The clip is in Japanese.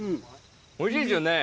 おいしいっすよね。